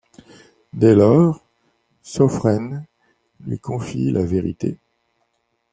Dès lors, Söfren lui confie la vérité.